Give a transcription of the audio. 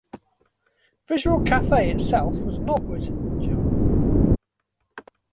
Visual Cafe itself was not written in Java.